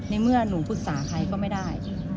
ในเมื่อหนูปรึกษาใครก็ไม่ได้